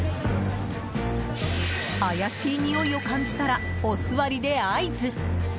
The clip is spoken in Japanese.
怪しいにおいを感じたらおすわりで合図。